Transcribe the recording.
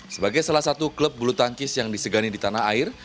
sebagai salah satu klub bulu tangkis yang disegani di tanah air